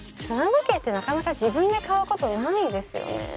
砂時計ってなかなか自分で買うことないですよね。